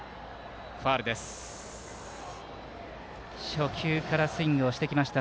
初球からスイングをしてきました。